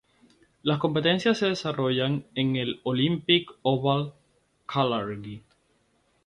Las competiciones se desarrollaron en el Olympic Oval Calgary.